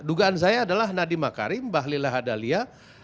dugaan saya adalah nadiemah karim mbah lillahadalia